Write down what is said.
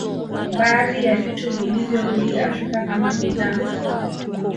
Baadhi ya vitu vilivyorudi Afrika kama bidhaa